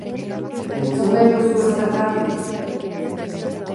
Entzun nahi duzue zergatik?